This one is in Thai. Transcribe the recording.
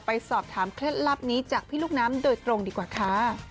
ไปสอบถามเคล็ดลับนี้จากพี่ลูกน้ำโดยตรงดีกว่าค่ะ